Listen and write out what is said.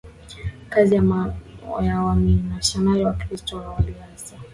kazi ya wamisionari Wakristo wa awali hasa